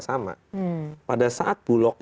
sama pada saat bulog